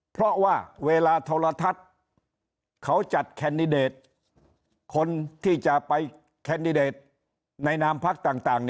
เพราะว่าเวลาโทรทัศน์เขาจัดแคนดิเดตคนที่จะไปแคนดิเดตในนามพักต่าง